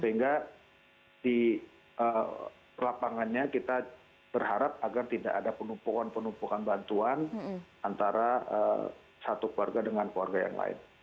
sehingga di lapangannya kita berharap agar tidak ada penumpukan penumpukan bantuan antara satu keluarga dengan keluarga yang lain